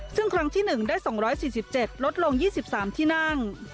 ซึ่งครั้งที่๑ได้๒๔๗ลดลง๒๓ที่นั่ง